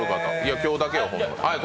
今日だけよ。